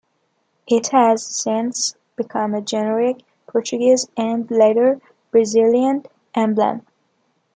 It has since become a generic Portuguese and, later, Brazilian emblem.